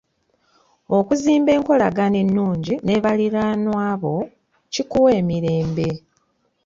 Okuzimba enkolagana ennungi ne baliraanwa bo kikuwa emirembe.